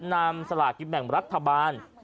นำสลากกิจแบ่งรัฐบาล